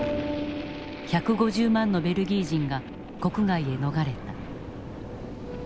１５０万のベルギー人が国外へ逃れた。